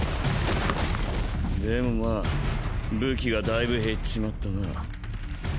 でもまァ武器がだいぶ減っちまったな。